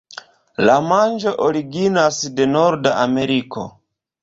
La manĝo originas de Norda Ameriko.